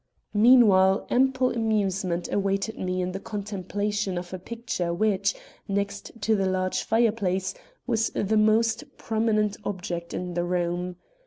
Meanwhile ample amusement awaited me in the contemplation of a picture which, next to the large fireplace, was the most prominent object in the room.